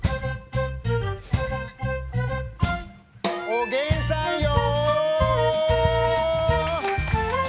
おげんさんよ！